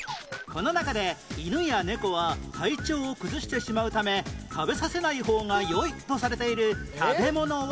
この中で犬や猫は体調を崩してしまうため食べさせない方がよいとされている食べ物はどれ？